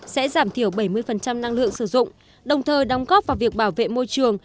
sẽ giảm thiểu bảy mươi năng lượng sử dụng đồng thời đóng góp vào việc bảo vệ môi trường